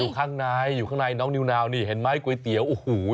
ข้างในอยู่ข้างในน้องนิวนาวนี่เห็นไหมก๋วยเตี๋ยวโอ้โห